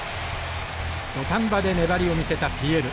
土壇場で粘りを見せたＰＬ。